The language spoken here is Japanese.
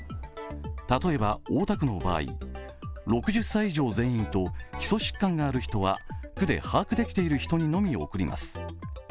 例えば大田区の場合、６０歳以上全員と基礎疾患がある人は区で把握できている人にのみ送ります。